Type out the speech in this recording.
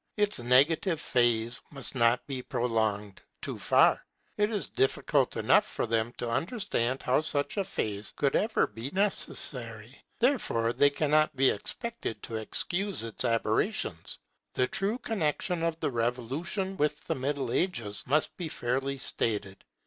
Its negative phase must not be prolonged too far. It is difficult enough for them to understand how such a phase could ever be necessary; therefore they cannot be expected to excuse its aberrations. The true connexion of the Revolution with the Middle Ages must be fairly stated.